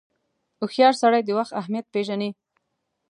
• هوښیار سړی د وخت اهمیت پیژني.